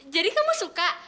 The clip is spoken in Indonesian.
jadi kamu suka